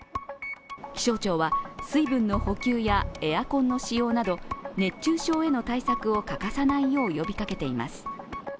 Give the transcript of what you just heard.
気象庁は水分の補給やエアコンの使用など、熱中症への対策を欠かさないよう呼びかけています。